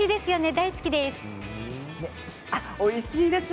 大好きです。